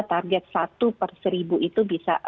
target satu perseribu itu bisa